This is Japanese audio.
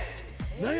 何や？